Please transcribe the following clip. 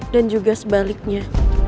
dan juga sebaliknya